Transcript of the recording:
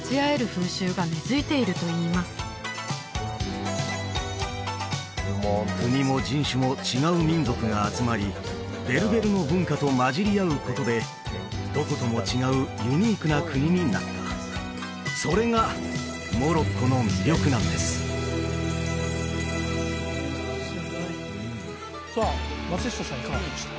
風習が根づいているといいます国も人種も違う民族が集まりベルベルの文化と混じり合うことでどことも違うユニークな国になったそれがモロッコの魅力なんですさあ松下さんいかがでした？